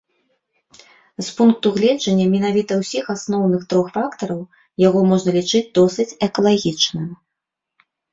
З пункту гледжання менавіта ўсіх асноўных трох фактараў яго можна лічыць досыць экалагічным.